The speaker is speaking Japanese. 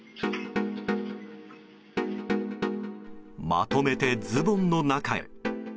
まとめてズボンの中へ。